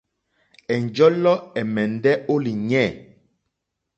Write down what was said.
Ɛ̀njɔ́lɔ́ ɛ̀mɛ́ndɛ́ ó lìɲɛ̂.